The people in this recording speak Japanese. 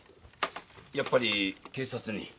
やっぱり警察に。